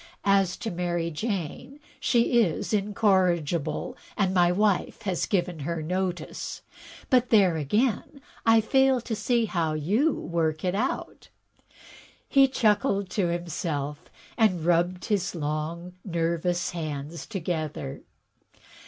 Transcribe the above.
As to Mary Jane, she is incorrigible, and my wife has given her notice; but there, again, I fail to see how you work it out.*' He chuckled to himself and rubbed his long, nervous hands together.